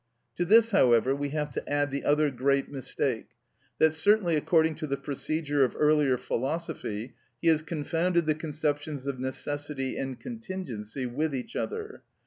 To this, however, we have to add the other great mistake, that, certainly according to the procedure of earlier philosophy, he has confounded the conceptions of necessity and contingency with each other.